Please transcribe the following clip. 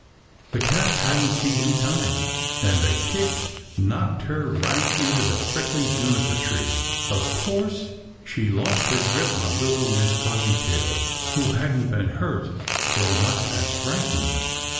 The cat hadn't seen him coming, and the kick knocked her right into the prickly juniper tree. Of course she lost her grip on little Miss Fuzzytail, who hadn't been hurt so much as frightened.